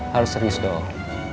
harus serius dong